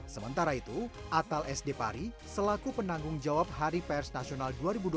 sementara itu atal sd pari selaku penanggung jawab hari pers nasional dua ribu dua puluh